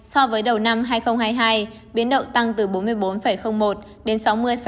so với đầu năm hai nghìn hai mươi hai biến động tăng từ bốn mươi bốn một đến sáu mươi ba